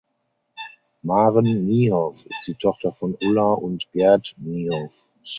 Maren Niehoff ist die Tochter von Ulla und Gerd Niehoff.